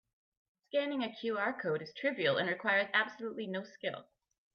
Scanning a QR code is trivial and requires absolutely no skill.